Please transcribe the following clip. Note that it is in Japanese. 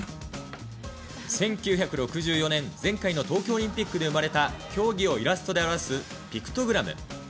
１９６４年、前回の東京オリンピックで生まれた、競技をイラストで表すピクトグラム。